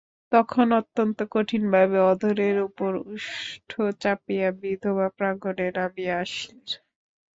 তখন অত্যন্ত কঠিনভাবে অধরের উপরে ওষ্ঠ চাপিয়া বিধবা প্রাঙ্গণে নামিয়া আসিলেন।